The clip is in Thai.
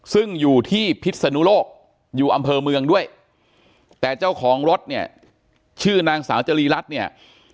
ซึ่งอยู่ที่พิษนุโลกอยู่อำเภอเมืองด้วยแต่เจ้าของรถเนี่ยชื่อนางสาวจรีรัฐเนี่ย